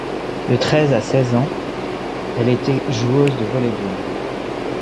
De treize à seize ans, elle était joueuse de volleyball.